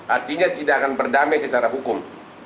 artinya tidak akan berdamai secara hukum